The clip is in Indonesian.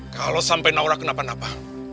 kalau sampai naura kenapa napa